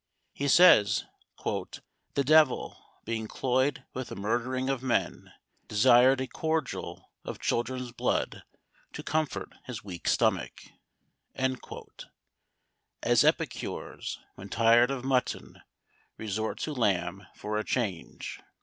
He says, "the devil, being cloyed with the murdering of men, desired a cordial of children's blood to comfort his weak stomach;" as epicures, when tired of mutton, resort to lamb for a change.